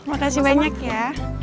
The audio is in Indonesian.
makasih banyak ya